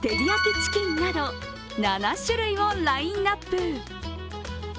チキンなど７種類をラインナップ。